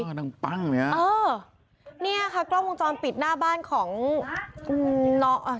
น้องปังเหรอเออเนี้ยค่ะกล้องวงจรปิดหน้าบ้านของอืมน้องอ่ะ